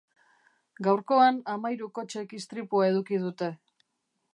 Gaurkoan hamahiru kotxek istripua eduki dute.